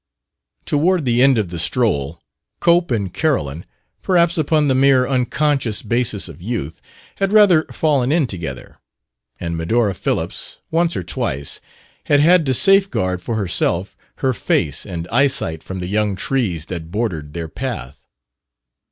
Toward the end of the stroll, Cope and Carolyn, perhaps upon the mere unconscious basis of youth, had rather fallen in together, and Medora Phillips, once or twice, had had to safeguard for herself her face and eyesight from the young trees that bordered their path.